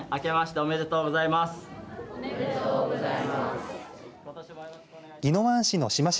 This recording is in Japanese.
おめでとうございます。